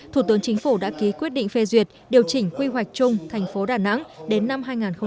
thủ tướng chính phủ đã ký quyết định phê duyệt điều chỉnh quy hoạch chung thành phố đà nẵng đến năm hai nghìn ba mươi